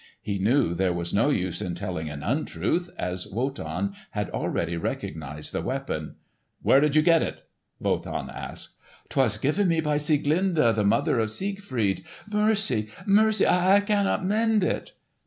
He knew there was no use in telling an untruth, as Wotan had already recognised the weapon. "Where did you get it?" Wotan asked. "'Twas given me by Sieglinde the mother of Siegfried. Mercy, mercy! I cannot mend it!"